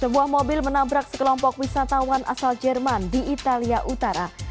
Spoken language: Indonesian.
sebuah mobil menabrak sekelompok wisatawan asal jerman di italia utara